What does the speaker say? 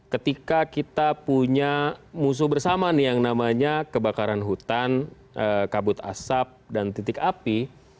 ketika kita punya musuh bersama nih yang namanya kebakaran hutan kabut asap dan titik api